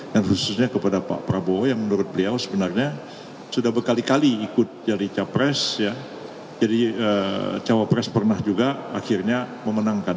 dan khususnya kepada pak prabowo yang menurut beliau sebenarnya sudah berkali kali ikut jadi capres jadi capres pernah juga akhirnya memenangkan